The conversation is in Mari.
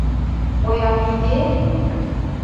Поян иге!